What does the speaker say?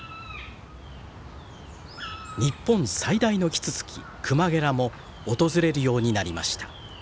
日本最大のキツツキクマゲラも訪れるようになりました。